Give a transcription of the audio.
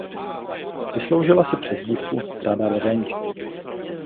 Vysloužila si přezdívku "Radar range".